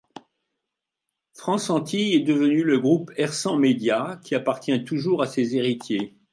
France Antilles est devenu le groupe Hersant Média, qui appartient toujours à ses héritiers.